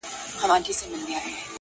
غوړولی یې په ملک کي امنیت وو-